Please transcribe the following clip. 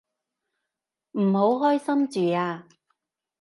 唔好開心住啊